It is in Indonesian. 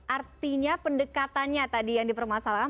artinya pendekatannya tadi yang dipermasalahkan